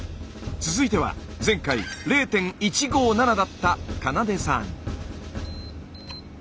続いては前回０．１５７だった花奏さん。